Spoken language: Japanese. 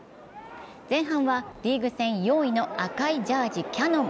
前半はリーグ戦４位の赤いジャージ・キヤノン。